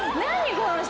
この人。